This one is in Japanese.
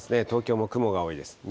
東京も雲が多いです。